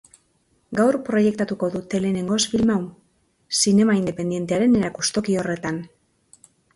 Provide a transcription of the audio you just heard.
Gaur proiektatuko dute lehenengoz film hau, zinema independentearen erakustoki horretan.